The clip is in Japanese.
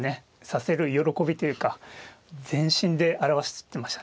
指せる喜びというか全身で表してましたね。